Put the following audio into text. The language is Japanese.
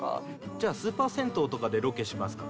じゃあスーパー銭湯とかでロケしますか？